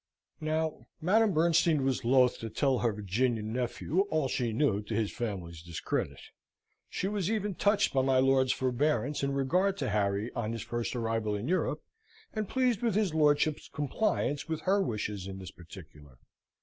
Now Madame Bernstein was loth to tell her Virginian nephew all she knew to his family's discredit; she was even touched by my lord's forbearance in regard to Harry on his first arrival in Europe; and pleased with his lordship's compliance with her wishes in this particular.